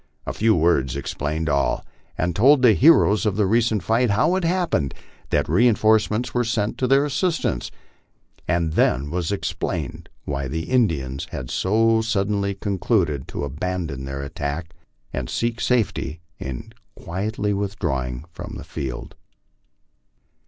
A few words explained all, and told the heroes of the recent fight, how it happened that re inforcements were sent to their assistance ; and then was explained why the Indians had so suddenly concluded to abandon their attack and seek safety io quietly withdrawing from the field.